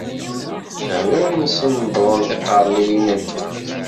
Lehdur-nsen wwḍen tiqerniyin n ddunit.